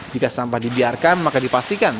jika sampah dibiarkan maka dipastikan